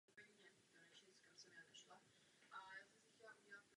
Narodil se jim třetí syn Jan Jindřich a později ještě dvojčata Anna a Eliška.